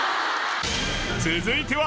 続いては